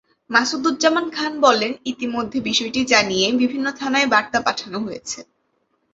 মাসুদুজ্জামান খান বলেন, ইতিমধ্যে বিষয়টি জানিয়ে বিভিন্ন থানায় বার্তা পাঠানো হয়েছে।